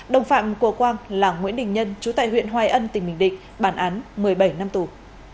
đồng phạm của quang là nguyễn đình nhân chú tại huyện hoài ân tỉnh bình định bản án một mươi bảy năm tù